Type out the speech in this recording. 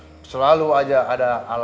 ya kan selalu aja ada alam alam